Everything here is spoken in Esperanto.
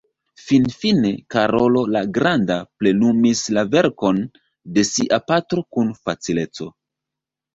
Finfine Karolo la Granda plenumis la verkon de sia patro kun facileco.